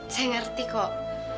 saya mengerti kok